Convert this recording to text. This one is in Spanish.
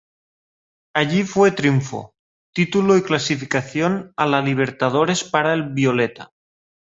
Allí fue triunfo, título y clasificación a la Libertadores para el "violeta".